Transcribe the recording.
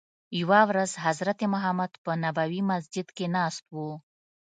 یوه ورځ حضرت محمد په نبوي مسجد کې ناست وو.